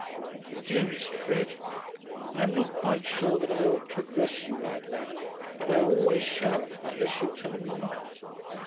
DEAREST FRED, I am not quite sure that I ought to address you like that; but I always shall unless you tell me not.